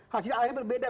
hasil akhir bisa berbeda